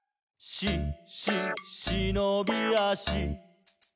「し・し・しのびあし」